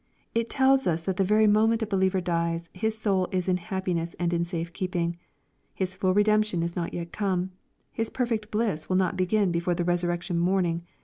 It tells us that the very moment a believer dies, his soul is in happiness and in safe keeping. His full redemption is not yet come. His perfect bliss will not begin before the resurrection morning.